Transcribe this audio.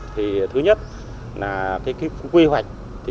thứ nhất là quy hoạch